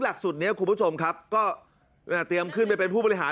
หลักสูตรนี้คุณผู้ชมครับก็เตรียมขึ้นไปเป็นผู้บริหาร